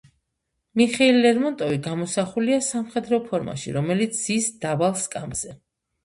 მიხეილ ლერმონტოვი გამოსახულია სამხედრო ფორმაში, რომელიც ზის დაბალ სკამზე.